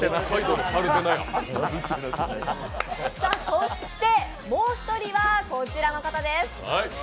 そして、もう一人はこちらの方です。